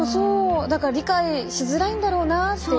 だから理解しづらいんだろうなって。